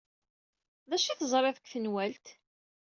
D acu ay teẓrid deg tenwalt?